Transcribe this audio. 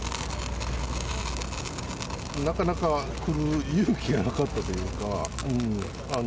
なかなか来る勇気がなかったというか。